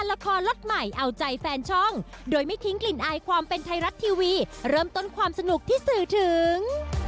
เรื่องยุ่งยุ่งจิ๊บเกิดขึ้น